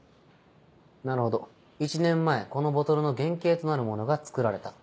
なるほど１年前このボトルの原形となるものが作られた。